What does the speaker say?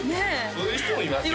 そういう人もいますよ